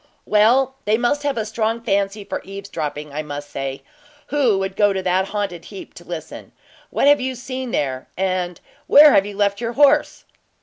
"Well, they must have a strong fancy for eavesdropping, I must say, who world go to that haunted heap to listen. What have you seen there, and where have you left your horse?"